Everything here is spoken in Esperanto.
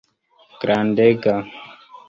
Grandega.